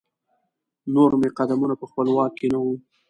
نور مې قدمونه په خپل واک کې نه وو.